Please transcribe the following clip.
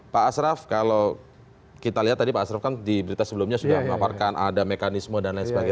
pak asraf kalau kita lihat tadi pak asraf kan di berita sebelumnya sudah mengaparkan ada mekanisme dan lain sebagainya